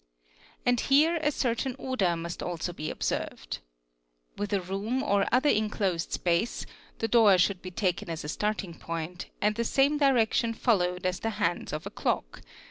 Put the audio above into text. And here | a certain order must also be observed. With a room or other inclosed — space the door should be taken as a starting point and the same direction — followed as the hands of a clock, 7.